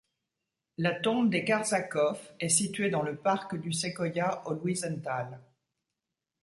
La tombe des Karsakov est située dans le parc du Séquoia au Louisenthal.